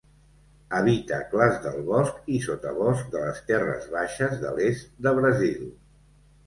Habita clars del bosc i sotabosc de les terres baixes de l'est de Brasil.